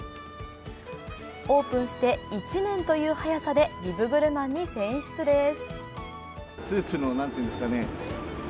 オープンして１年という早さでビブグルマンに選出です。